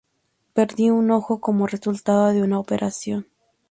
Perdió un ojo como resultado de una operación.